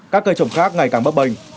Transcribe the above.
các cây trồng khác ngày càng bấp bệnh